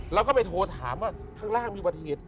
แล้วก็ไปโทรถามว่าทางล่างมีประเทศ